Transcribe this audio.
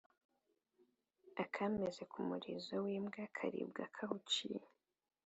Akameze ku murizo w’imbwa karimba kawuciye